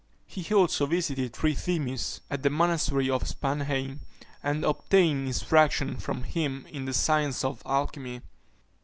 He also visited Trithemius at the monastery of Spannheim, and obtained instructions from him in the science of alchymy.